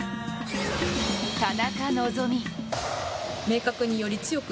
田中希実。